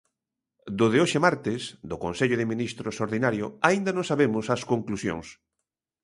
Do de hoxe martes, do consello de ministros ordinario, aínda non sabemos as conclusións.